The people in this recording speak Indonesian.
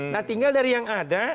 nah tinggal dari yang ada